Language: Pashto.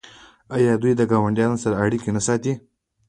آیا دوی له ګاونډیانو سره اړیکې نه ساتي؟